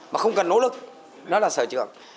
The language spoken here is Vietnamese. mà không cần nỗ lực đó là sở trường